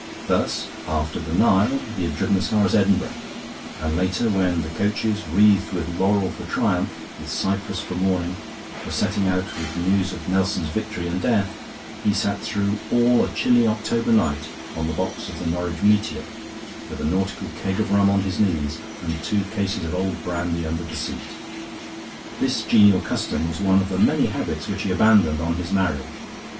Thus, after the Nile, he had driven as far as Edinburgh; and later, when the coaches, wreathed with laurel for triumph, with cypress for mourning, were setting out with the news of Nelson's victory and death, he sat through all a chilly October night on the box of the Norwich 'Meteor' with a nautical keg of rum on his knees and two cases of old brandy under the seat. This genial custom was one of the many habits which he abandoned on his marriage.